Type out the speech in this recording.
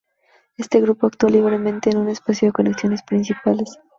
Este grupo actúa libremente en un espacio de conexiones principales.